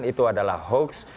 itu adalah hoaks